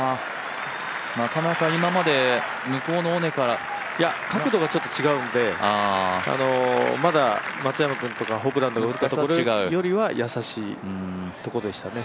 なかなか今まで向こうの尾根から角度がちょっと違うので、まだ松山君とかホブランドが打ったところよりは易しいとこでしたね。